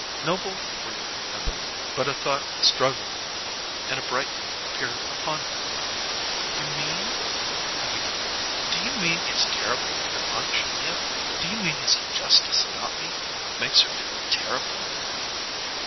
Noble breathed heavily, but a thought struggled in him and a brightening appeared upon him. "You mean " he began. "Do you mean it's terrible for your Aunt Julia? Do you mean his injustice about me makes her feel terribly?"